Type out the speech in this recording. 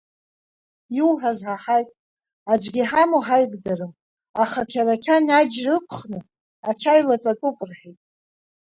Иуҳәаз ҳаҳаит, аӡәгьы иҳамоу ҳаигӡарым, аха Қьарақьан аџьра ықәхны ачаи лаҵатәуп рҳәеит.